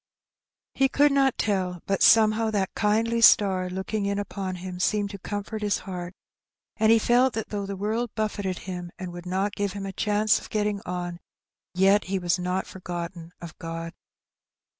He could not tell, but somehow that kindly star looking in upon him seemed to comfort his heart; and he felt that though the world buffeted him, and would not give him a chance of getting on, yet he was not forgotten of God.